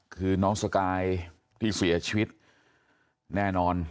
คือน้องสกายที่เสียชีวิตแน่นอน